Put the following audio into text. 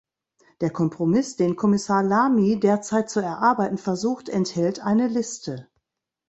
Der Kompromiss, den Kommissar Lamy derzeit zu erarbeiten versucht, enthält eine Liste.